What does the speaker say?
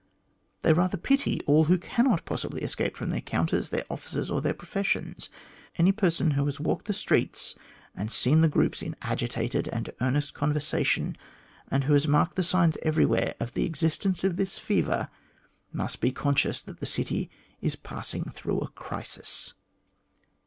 They rather pity all who cannot possibly escape from their counters, their offices, or their professions. Any person who has walked the streets and seen the groups in agitated and earnest conversation, and who has marked the signs everywhere of the existence of this fever, must be conscious that the city is passing through a crisis."